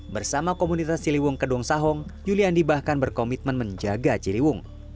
bersama komunitas ciliwung kedong sahong yuli andi bahkan berkomitmen menjaga ciliwung